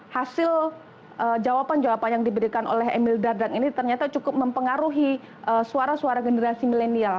hasil jawaban jawaban yang diberikan oleh emil dardak ini ternyata cukup mempengaruhi suara suara generasi milenial